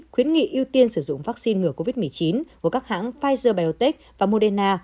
khuyến nghị ưu tiên sử dụng vaccine ngừa covid một mươi chín của các hãng pfizer biotech và moderna